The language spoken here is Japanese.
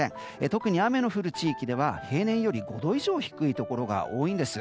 特に雨の降る地域では平年より５度以上低いところが多い昨日です。